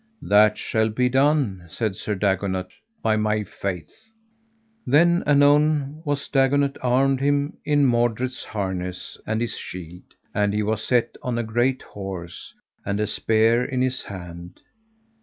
That shall be done, said Sir Dagonet, by my faith. Then anon was Dagonet armed him in Mordred's harness and his shield, and he was set on a great horse, and a spear in his hand.